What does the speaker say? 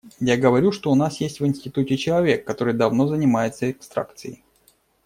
Я говорю, что у нас есть в институте человек, который давно занимается экстракцией.